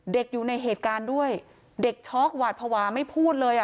อยู่ในเหตุการณ์ด้วยเด็กช็อกหวาดภาวะไม่พูดเลยอ่ะ